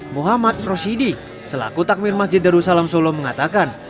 muhammad roshidi selaku takmir masjid darussalam solo mengatakan